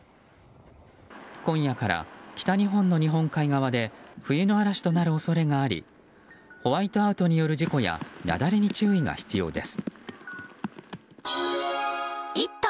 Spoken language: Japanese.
今夜から北日本の日本海側で冬の嵐となる恐れがありホワイトアウトによる事故や雪崩に注意が必要です。